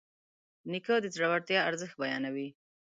نیکه د زړورتیا ارزښت بیانوي.